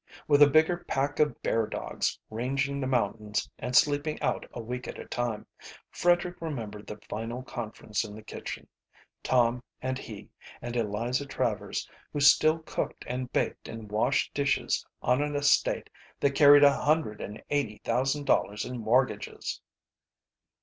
with a bigger pack of bear dogs ranging the mountains and sleeping out a week at a time. Frederick remembered the final conference in the kitchen Tom, and he, and Eliza Travers, who still cooked and baked and washed dishes on an estate that carried a hundred and eighty thousand dollars in mortgages.